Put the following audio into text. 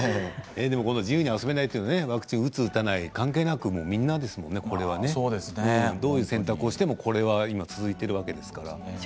自由に遊べないというのはワクチンを打つ打たない関係なくみんなですからねどういう選択をしてもこれは続いているわけですから。